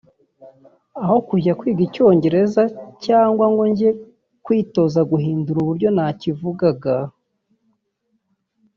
Aho kujya kwiga Icyongereza cyangwa ngo njye kwitoza guhindura uburyo nakivugaga